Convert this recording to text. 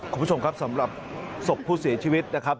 คุณผู้ชมครับสำหรับศพผู้เสียชีวิตนะครับ